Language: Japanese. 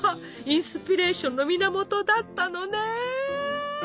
インスピレーションの源だったのね！